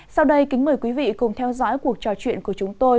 sau đây kính mời quý vị cùng theo dõi cuộc trò chuyện của chúng tôi